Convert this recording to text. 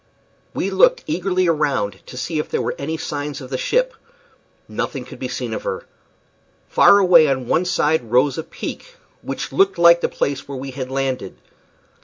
We looked eagerly around to see if there were any signs of the ship. Nothing could be seen of her. Far away on one side rose a peak, which looked like the place where we had landed.